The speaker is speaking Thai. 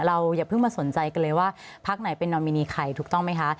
อย่าเพิ่งมาสนใจกันเลยว่าพักไหนเป็นนอมินีใครถูกต้องไหมคะ